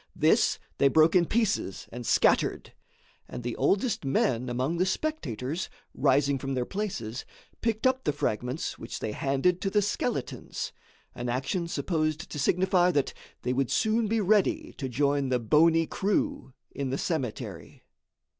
This they broke in pieces and scattered, and the oldest men among the spectators, rising from their places, picked up the fragments which they handed to the skeletons an action supposed to signify that they would soon be ready to join the bony crew in the cemetery.